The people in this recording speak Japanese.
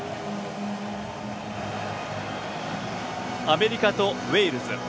アメリカとウェールズ。